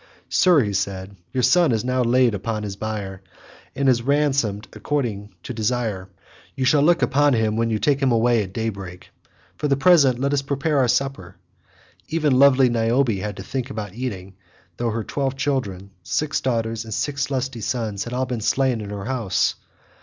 "Sir," he said, "your son is now laid upon his bier and is ransomed according to desire; you shall look upon him when you take him away at daybreak; for the present let us prepare our supper. Even lovely Niobe had to think about eating, though her twelve children—six daughters and six lusty sons—had been all slain in her house.